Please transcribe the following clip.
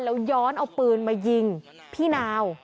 แล้วย้อนเอาปืนมายิงพี่นาว